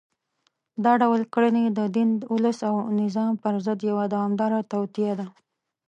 دا ډول کړنې د دین، ولس او نظام پر ضد یوه دوامداره توطیه ده